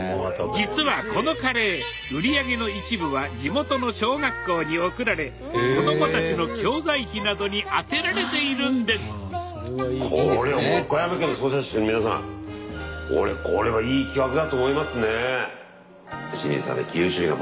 実はこのカレー売り上げの一部は地元の小学校に送られ子どもたちの教材費などに充てられているんです清水さんね